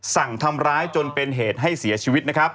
สั่งทำร้ายจนเป็นเหตุให้เสียชีวิตนะครับ